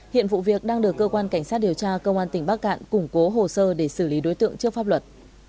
hiện vụ việc đang được cơ quan cảnh sát điều tra công an tỉnh bắc cạn củng cố hồ sơ để xử lý đối tượng trước pháp luật